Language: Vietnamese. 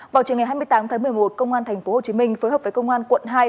vào chiều ngày hai mươi tám tháng một mươi một công an tp hcm phối hợp với công an quận hai